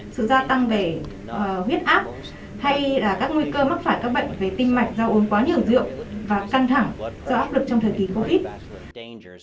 sự gia tăng về huyết áp hay là các nguy cơ mắc phải các bệnh về tim mạch do uốn quá nhiều rượu và căng thẳng do áp lực trong thời kỳ covid